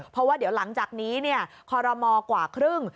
เพราะว่าเดี๋ยวหลังจากนี้คอรมอกว่าครึ่ง